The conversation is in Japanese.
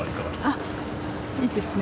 あっ、いいですね。